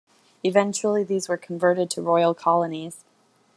Eventually, these were converted to royal colonies.